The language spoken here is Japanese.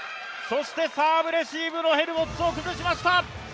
そしてサーブレシーブのヘルボッツを崩しました。